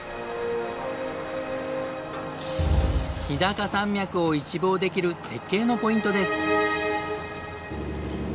日高山脈を一望できる絶景のポイントです。